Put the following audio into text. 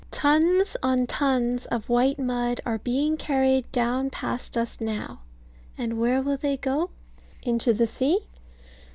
Tons on tons of white mud are being carried down past us now; and where will they go? Into the sea?